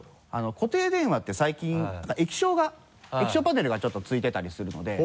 固定電話って最近液晶が液晶パネルがちょっと付いてたりするので。